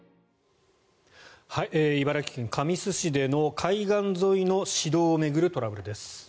茨城県神栖市での海岸沿いの私道を巡るトラブルです。